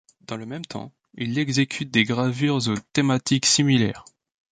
Dans le même temps, il exécute des gravures aux thématiques similaires.